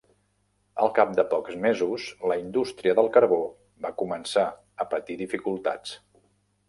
Al cap de pocs mesos, la indústria del carbó va començar a patir dificultats.